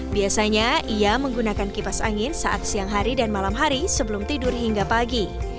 biasanya ia menggunakan kipas angin saat siang hari dan malam hari sebelum tidur hingga pagi